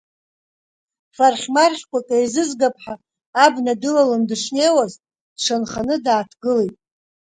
Фархь-мархьқәак еизызгап ҳәа абна дылалан дышнеиуаз, дшанханы дааҭгылеит.